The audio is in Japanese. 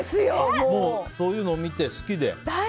そういうの見て好きで。